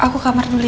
aku ke kamar dulu ya